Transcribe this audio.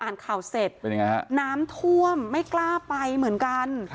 อ่านข่าวเสร็จน้ำทั่วมไม่กล้าไปเหมือนกัน